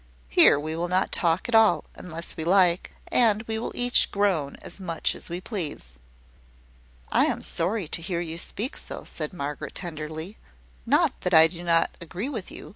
Here we will not talk at all, unless we like; and we will each groan as much as we please." "I am sorry to hear you speak so," said Margaret, tenderly. "Not that I do not agree with you.